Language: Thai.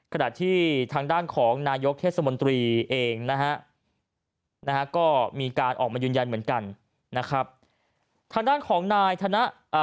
ขณะที่ทางด้านของนายกเทศบนตรีเองมีการออกมายืนยันเหมือนกัน